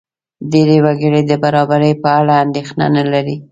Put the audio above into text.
ډېری وګړي د برابرۍ په اړه اندېښنه نه لري.